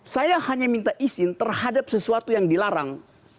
saya hanya minta izin terhadap sesuatu yang dilarang